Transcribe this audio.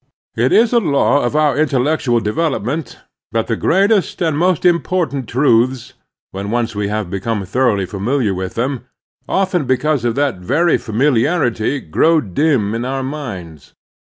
It is a law of our intellectual development that the greatest and most important truths, when once we have become thoroughly familiar with them, often because of that very familiarity grow dim in our minds.